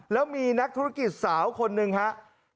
แล้วมีนักธุรกิจสาวคนหนึ่งครับ